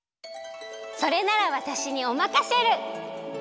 それならわたしにおまかシェル！